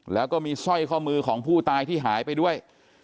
แล้วก็มีสร้อยข้อมือของผู้ตายที่หายไปด้วย